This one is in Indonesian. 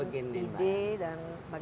sebenarnya begini mbak